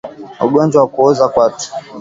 Ugonjwa wa kuoza kwato